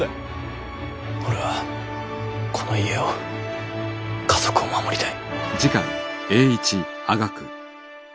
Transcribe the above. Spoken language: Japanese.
俺はこの家を家族を守りたい。